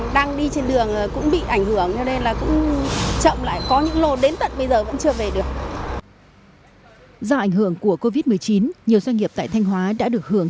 do ảnh hưởng của covid một mươi chín nhiều doanh nghiệp tại thanh hóa đã được hưởng